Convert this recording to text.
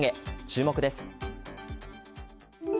注目です。